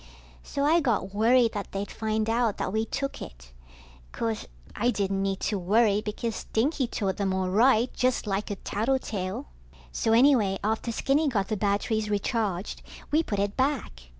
So I got worried that they'd find out that we took it. Course, I didn't need to worry, because Stinky told them all right, just like a tattletale. So anyway, after Skinny got the batteries recharged, we put it back.